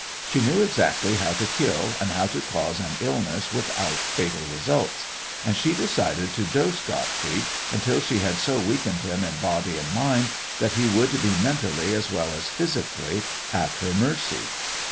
She knew exactly how to kill and how to cause an illness without fatal results, and she decided to dose Gottfried until she had so weakened him in body and mind that he would be mentally as well as physically at her mercy.